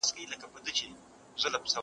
کېدای سي سندري ټيټه وي!!